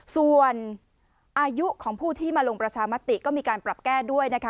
ส่วนอายุของผู้ที่มาลงประชามติก็มีการปรับแก้ด้วยนะคะ